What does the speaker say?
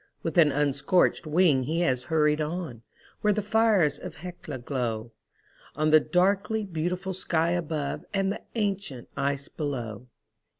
With an unscorched wing he has hurried on, where the fires of Hecla glow On the darkly beautiful sky above and the ancient ice below.